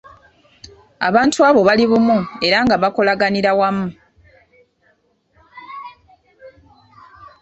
Abantu abo bali bumu era nga bakolaganira wamu.